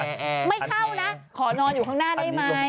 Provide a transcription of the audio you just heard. ไม่เช่านะขอนอนอยู่ข้างหน้าได้ไหมอะไรอย่างนี้